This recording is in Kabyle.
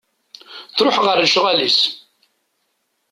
Truḥ ɣer lecɣal-is.